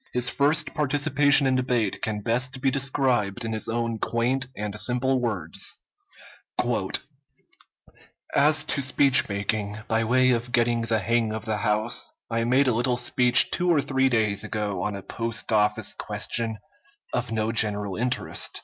His first participation in debate can best be described in his own quaint and simple words: "As to speech making, by way of getting the hang of the House, I made a little speech two or three days ago on a post office question of no general interest.